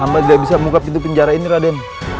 ambat gak bisa buka pintu penjara ini raden